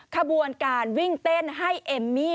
ขบวนการวิ่งเต้นให้เอมมี่